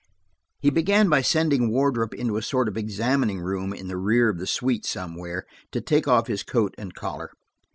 He began by sending Wardrop into a sort of examining room in the rear of the suite somewhere, to take off his coat and collar.